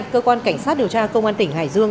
cơ quan cảnh sát điều tra công an tỉnh hải dương